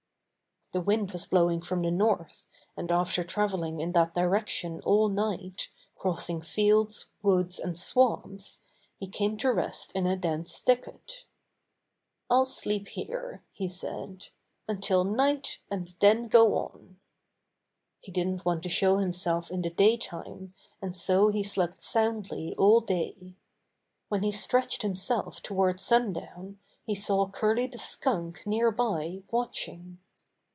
The wind was blowing from the north, and after traveling in that direction all night, crossing fields, woods and swamps, he came to rest in a dense thicket. "I'll sleep here," he said, "until night, and then go on." He didn't want to show himself in the day time, and so he slept soundly all day. When he stretched himself toward sundown, he saw Curly the Skunk nearby watching.